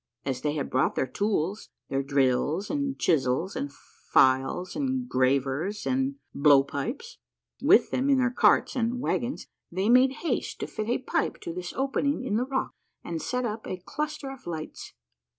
" As they had brought their tools — their drills and chisels and files and gravers and bloAv pipes — Avith them in their carts and Avagons, they made haste to fit a pipe to this opening in the rock and set up a cluster of lights.